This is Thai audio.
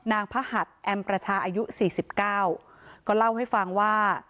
นางพระหัสแอมประชาอายุสี่สิบเก้าก็เล่าให้ฟังว่า